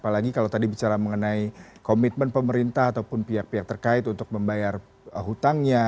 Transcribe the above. apalagi kalau tadi bicara mengenai komitmen pemerintah ataupun pihak pihak terkait untuk membayar hutangnya